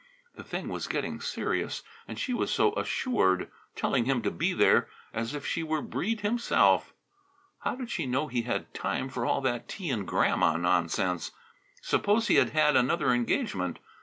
The thing was getting serious. And she was so assured. Telling him to be there as if she were Breede himself. How did she know he had time for all that tea and Grandma nonsense? Suppose he had had another engagement.